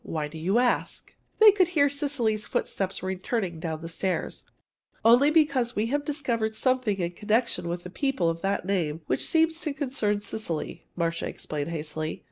Why do you ask?" They could hear Cecily's footsteps returning down the stairs. "Only because we have discovered something in connection with people of that name, that seems to concern Cecily," Marcia explained hastily.